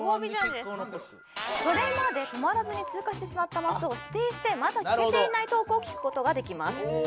これまで止まらずに通過してしまったマスを指定してまだ聞けていないトークを聞く事ができます。